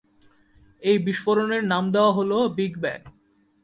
এই বিস্ফোরণের নাম দেওয়া হল বিগ ব্যাং।